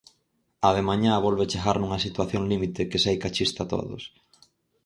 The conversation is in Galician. Á de mañá volve chegar nunha situación límite que seica chista a todos.